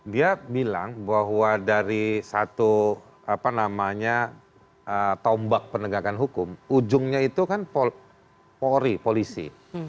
dia bilang bahwa dari satu tombak penegakan hukum ujungnya itu kan polri polisi